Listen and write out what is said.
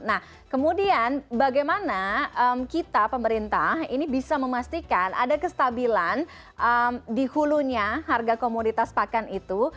nah kemudian bagaimana kita pemerintah ini bisa memastikan ada kestabilan di hulunya harga komoditas pakan itu